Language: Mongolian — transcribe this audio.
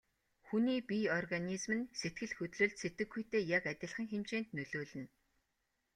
Хүний бие организм нь сэтгэл хөдлөлд сэтгэхүйтэй яг адилхан хэмжээнд нөлөөлнө.